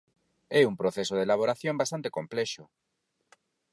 É un proceso de elaboración bastante complexo.